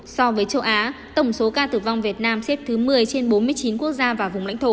so với châu á tổng số ca tử vong việt nam xếp thứ một mươi trên bốn mươi chín quốc gia và vùng lãnh thổ